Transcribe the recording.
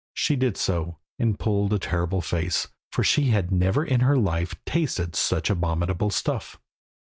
She did so, and pulled a terrible face, for she had never in her life tasted such abominable stuff.